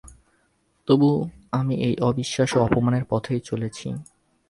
তবু আমি এই অবিশ্বাস ও অপমানের পথেই চলেছি।